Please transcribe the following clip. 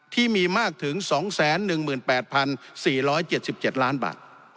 ที่มีมากถึง๒๑๘๔๗๗ล้านบาท